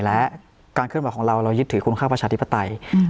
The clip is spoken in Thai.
และการเคลื่อนไหวของเราเรายึดถือคุ้มค่าประชาธิปไตย